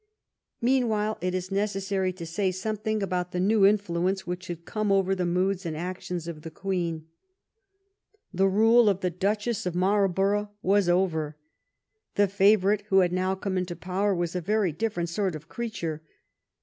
Meanwhile it is necessary to say something about the new influence which had come over the moods and actions of the Queen. The rule of the Duchess of Marlborough was over. The favorite who had now come into power was a very different sort of creature.